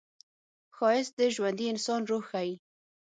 ښایست د ژوندي انسان روح ښيي